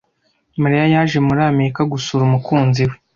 Mariya yaje muri Amerika gusura umukunzi we.